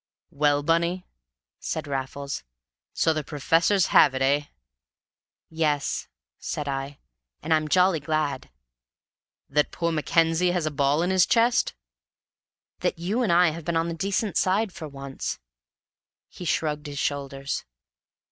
"Well, Bunny," said Raffles, "so the professors have it, eh?" "Yes," said I. "And I'm jolly glad!" "That poor Mackenzie has a ball in his chest?" "That you and I have been on the decent side for once." He shrugged his shoulders.